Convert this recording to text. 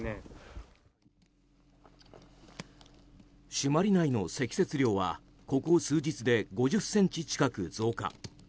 朱鞠内の積雪量はここ数日で５０ｃｍ近く増加。